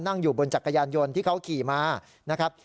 นั่งอยู่บนจักรยานยนต์ที่เขาขี่มานะครับ